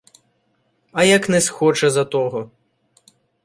— А як не схоче за того?